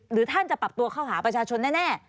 หรือท่านจะปรับตัวเข้าหาประชาชนแน่